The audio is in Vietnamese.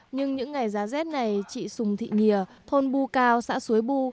nhưng những ngày giá rét này chị sùng thị nhìa thôn bu cao xã suối bù